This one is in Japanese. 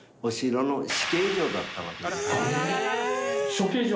処刑場？